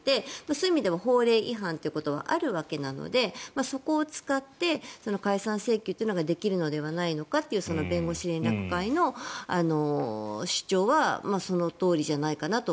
そういう意味では法令違反ということはあるわけなのでそこを使って解散請求というのができるのではないのかというその弁護士連絡会の主張はそのとおりじゃないかなと。